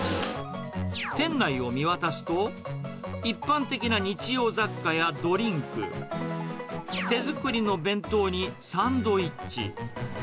店内を見渡すと、一般的な日用雑貨やドリンク、手作りの弁当にサンドイッチ。